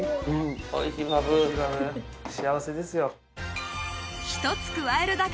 幸せですよ。